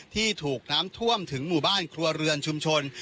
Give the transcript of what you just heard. ที่ถูกน้ำท่วมถึงหมู่บ้านครัวเรือนชุมชน